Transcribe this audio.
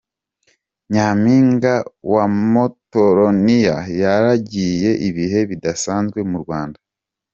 Nyaminga wa Morotoniya yagiriye ibihe bidasanzwe mu Rwanda